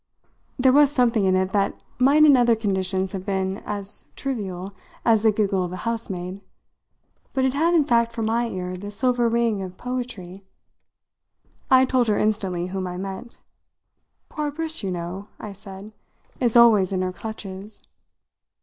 There was something in it that might in other conditions have been as trivial as the giggle of a housemaid; but it had in fact for my ear the silver ring of poetry. I told her instantly whom I meant. "Poor Briss, you know," I said, "is always in her clutches."